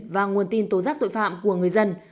và nguồn tin tố giác tội phạm của người dân